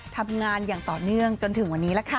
ทำงานอย่างต่อเนื่องจนถึงวันนี้ล่ะค่ะ